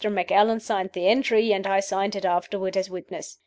Macallan signed the entry, and I signed it afterward as witness.